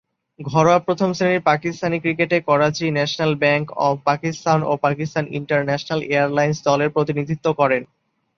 ঘরোয়া প্রথম-শ্রেণীর পাকিস্তানি ক্রিকেটে Karachi, national bank of Pakistan ও পাকিস্তান ইন্টারন্যাশনাল এয়ারলাইন্স দলের প্রতিনিধিত্ব করেন।